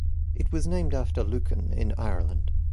It was named after Lucan, in Ireland.